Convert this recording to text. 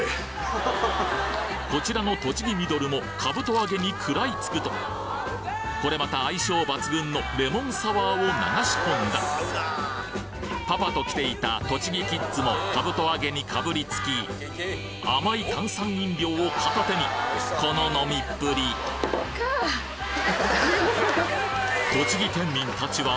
こちらの栃木ミドルもかぶと揚げに食らいつくとこれまた相性抜群のレモンサワーを流し込んだパパと来ていた栃木キッズもかぶと揚げにかぶりつき甘い炭酸飲料を片手にこの飲みっぷり栃木県民たちは